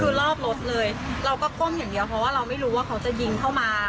คือรอบรถเลยเราก็ก้มอย่างเดียวเพราะว่าเราไม่รู้ว่าเขาจะยิงเข้ามา